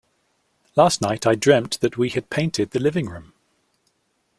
Last night I dreamt that we had painted the living room.